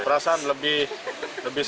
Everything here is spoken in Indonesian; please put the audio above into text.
ketika dianggap terlalu banyak